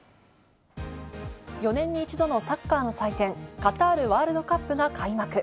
４年に一度のサッカーの祭典、カタールワールドカップが開幕。